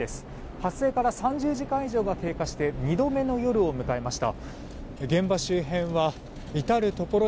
発生から３０時間以上が経過して２度目の夜を迎えました。